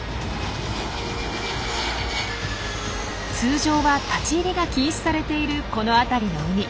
通常は立ち入りが禁止されているこの辺りの海。